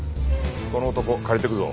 この男借りてくぞ。